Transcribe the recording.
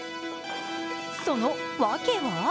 その訳は？